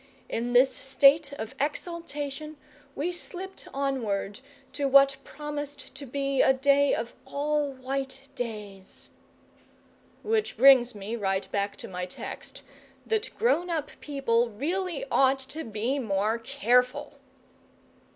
In this state of exaltation we slipped onward to what promised to be a day of all white days which brings me right back to my text, that grown up people really ought to be more careful.